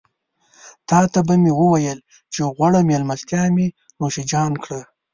تاته به مې وويل چې غوړه مېلمستيا مې نوشيجان کړه.